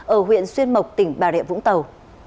ở huyện xuyên mộc tỉnh bà rịa vũng tàu